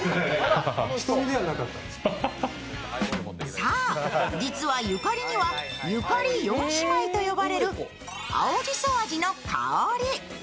そう、実はゆかりには、ゆかり４姉妹と呼ばれる青じそ味のかおり。